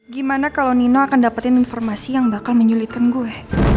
gimana kalau nino akan dapatin informasi yang bakal menyulitkan gue